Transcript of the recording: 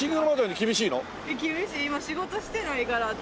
厳しい今仕事してないから私。